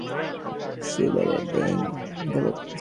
বুদ্ধই প্রথম ধর্মপ্রচারক দলের উদ্ভাবক।